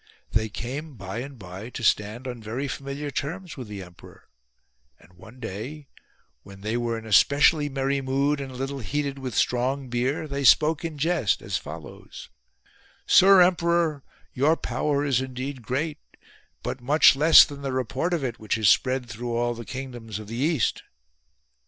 They came by and by to stand on very familiar terms with the emperor ; and one day, when they were in a specially merry mood and a little heated with strong beer, they spoke in jest as follows :—" Sir emperor, your power is indeed great ; but much less than the report of it which is spread through all the kingdoms of the east."